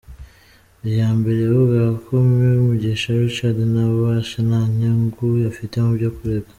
Iyambere yavugaga ko Me Mugisha Richard nta bubasha, nta n’inyungu afite byo kurega.